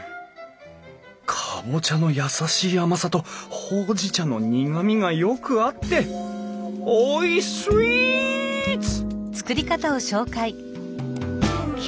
カボチャの優しい甘さとほうじ茶の苦みがよく合っておいスイーツ！